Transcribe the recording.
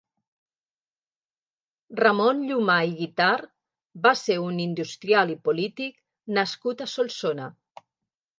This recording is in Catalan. Ramon Llumà i Guitart va ser un industrial i polític nascut a Solsona.